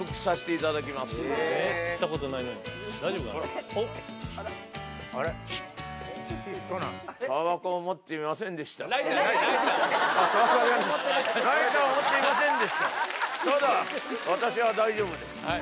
ただ私は大丈夫です。